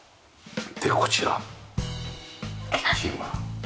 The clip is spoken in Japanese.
でこちらキッチンは。